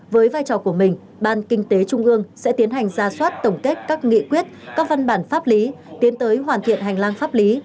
với vai trò của mình ban kinh tế trung ương sẽ tiến hành ra soát tổng kết các nghị quyết các văn bản pháp lý tiến tới hoàn thiện hành lang pháp lý